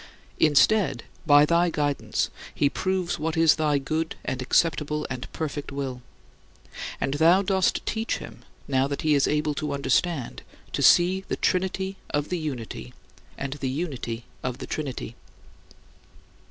Instead, by thy guidance, he proves what is thy good and acceptable and perfect will. And thou dost teach him, now that he is able to understand, to see the trinity of the Unity and the unity of the Trinity.